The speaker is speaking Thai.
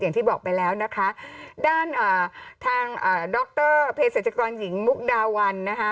อย่างที่บอกไปแล้วนะคะด้านอ่าทางดรเพศรัชกรหญิงมุกดาวันนะคะ